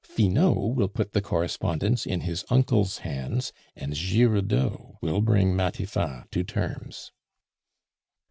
Finot will put the correspondence in his uncle's hands, and Giroudeau will bring Matifat to terms."